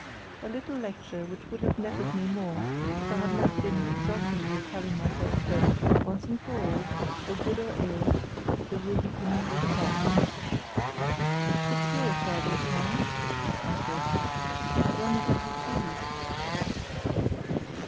A little lecture which would have nettled me more if I had not been exultantly telling myself that, once and for all, for good or ill, the Rubicon was passed. "It's your affair this time," I said; "run it as you please."